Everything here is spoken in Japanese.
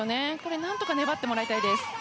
何とか粘ってもらいたいです。